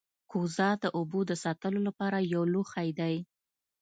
کوزه د اوبو د ساتلو لپاره یو لوښی دی